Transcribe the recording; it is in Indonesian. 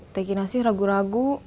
teki nasi ragu ragu